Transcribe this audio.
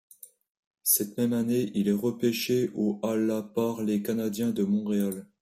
Cette même année, il est repêché au à la par les Canadiens de Montréal.